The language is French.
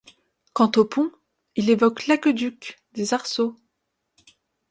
Quant au pont, il évoque l'aqueduc des Arceaux.